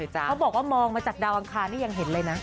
เขาบอกว่ามองมาจากดาวอังคารนี่ยังเห็นเลยนะ